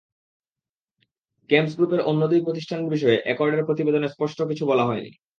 কেমস গ্রুপের অন্য দুই প্রতিষ্ঠানের বিষয়ে অ্যাকর্ডের প্রতিবেদনে স্পষ্ট কিছু বলা হয়নি।